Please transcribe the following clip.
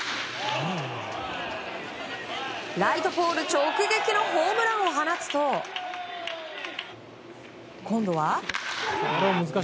ライトポール直撃のホームランを放つと今度は。